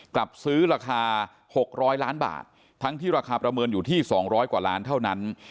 กลับซื้อราคา๖๐๐ล้านบาททั้งที่ราคาประเมินอยู่ที่๒๐๐กว่าล้านเท่านั้น